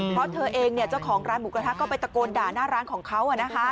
เพราะเธอเองเจ้าของร้านหมูกระทะก็ไปตะโกนด่าหน้าร้านของเขา